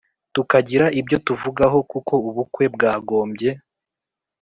tukagira ibyo tuvugaho kuko ubukwe bwagombye